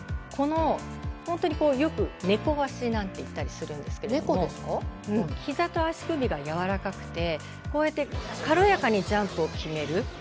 本当によく猫足なんて言ったりするんですけどひざと足首がやわらかくてこうやって軽やかにジャンプを決める。